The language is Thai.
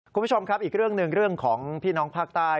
คุณผู้ชมครับอีกเรื่องหนึ่งเรื่องของพี่น้องภาคใต้